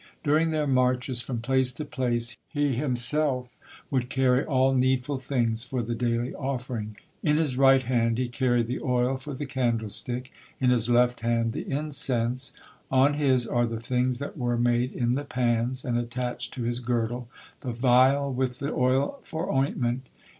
During their marches from place to place, he himself would carry all needful things for the daily offering. In his right hand he carried the oil for the candlestick, in his left hand the incense, on his are the things that were made in the pans, and, attached to his girdle, the phial with the oil for ointment.